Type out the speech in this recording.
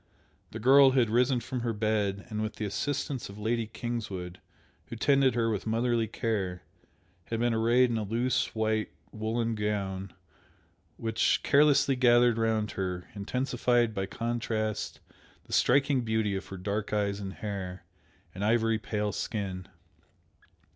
The girl had risen from her bed, and with the assistance of Lady Kingswood, who tended her with motherly care, had been arrayed in a loose white woollen gown, which, carelessly gathered round her, intensified by contrast the striking beauty of her dark eyes and hair, and ivory pale skin.